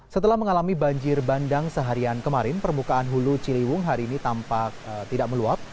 setelah mengalami banjir bandang seharian kemarin permukaan hulu ciliwung hari ini tampak tidak meluap